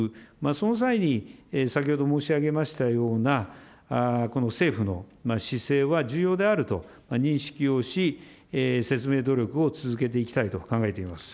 その際に、先ほど申し上げましたような政府の姿勢は重要であると認識をし、説明努力を続けていきたいと考えています。